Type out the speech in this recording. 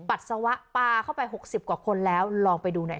ปัสสาวะปลาเข้าไป๖๐กว่าคนแล้วลองไปดูหน่อยค่ะ